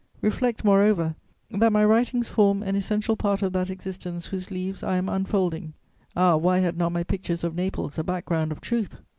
Reflect, moreover, that my writings form an essential part of that existence whose leaves I am unfolding. Ah, why had not my pictures of Naples a background of truth!